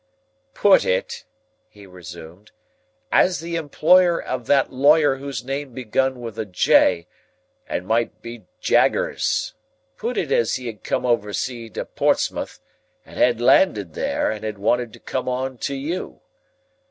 "Put it," he resumed, "as the employer of that lawyer whose name begun with a J, and might be Jaggers,—put it as he had come over sea to Portsmouth, and had landed there, and had wanted to come on to you.